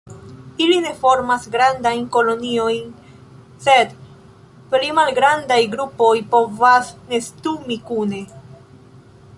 Ili ne formas grandajn koloniojn, sed pli malgrandaj grupoj povas nestumi kune.